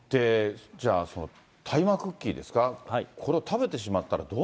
じゃあ、その大麻クッキーですか、これを食べてしまったらど